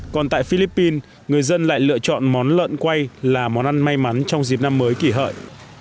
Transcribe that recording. còn tại philippines người dân lại lựa chọn món lợn quay là món ăn may mắn trong dịp năm mới kỷ hợi